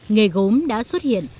nghề gốm đã xuất hiện